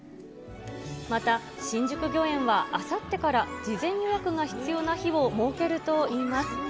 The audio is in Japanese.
また新宿御苑は、あさってから事前予約が必要な日を設けるといいます。